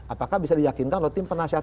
apakah bisa diyakinkan oleh tim penasihat